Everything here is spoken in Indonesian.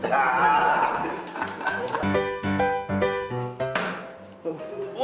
yang terakhir adalah pertanyaan dari anak muda